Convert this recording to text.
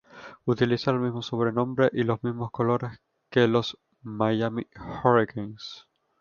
Utiliza el mismo sobrenombre y los mismos colores que los Miami Hurricanes.